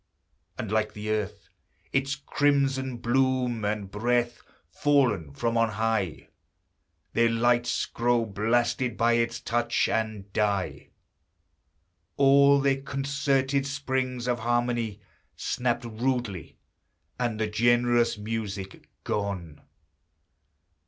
And like the earth, its crimson bloom and breath; Fallen from on high, Their lights grow blasted by its touch, and die! All their concerted springs of harmony Snapped rudely, and the generous music gone.